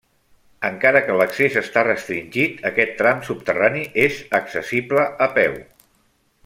Encara que l'accés està restringit, aquest tram subterrani és accessible a peu.